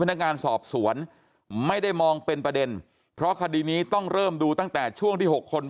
พนักงานสอบสวนไม่ได้มองเป็นประเด็นเพราะคดีนี้ต้องเริ่มดูตั้งแต่ช่วงที่๖คน